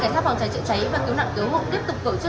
sau một mươi phút tổ chức trị cháy đám cháy cơ bản được công chế